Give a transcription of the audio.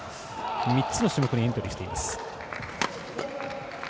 ３つの種目にエントリーしています。